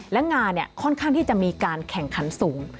และงานค่อนข้างที่จะมีการแข่งขันสูง